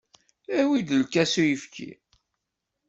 Awi-d lkas n uyefki.